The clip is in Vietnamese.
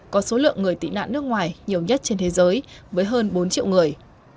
có số lượng người tị nạn nước ngoài nhiều nhất trên thế giới với hơn bốn triệu người